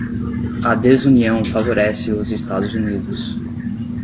a desunião favorece os Estados Unidos